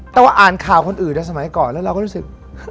แต่ว่าอ่านข่าวคนอื่นในสมัยก่อนแล้วเราก็รู้สึก